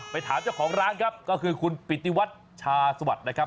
ถามเจ้าของร้านครับก็คือคุณปิติวัตรชาสวัสดิ์นะครับ